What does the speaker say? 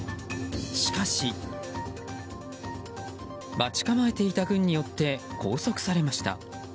しかし、待ち構えていた軍によって拘束されました。